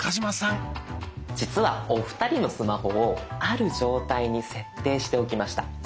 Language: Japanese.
実はお二人のスマホをある状態に設定しておきました。